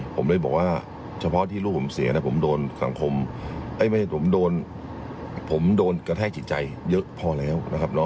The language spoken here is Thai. ผมเลยบอกว่าเฉพาะที่ลูกผมเสียผมโดนกระแทกจิตใจเยอะพอแล้ว